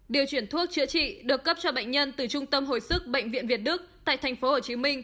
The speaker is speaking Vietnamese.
điều chuyển thuốc chữa trị được cấp cho bệnh nhân từ trung tâm hồi sức bệnh viện việt đức tại tp hcm